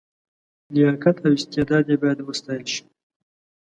لیاقت او استعداد یې باید وستایل شي.